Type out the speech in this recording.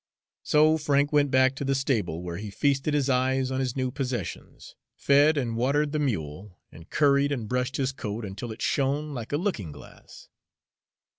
So Frank went back to the stable, where he feasted his eyes on his new possessions, fed and watered the mule, and curried and brushed his coat until it shone like a looking glass.